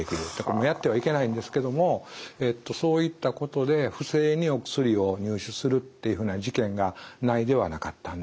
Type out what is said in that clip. やってはいけないんですけどもそういったことで不正にお薬を入手するっていうふうな事件がないではなかったんですね。